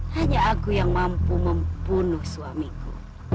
hanya aku yang mampu membunuh suamiku